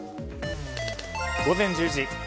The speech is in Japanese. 午前１０時。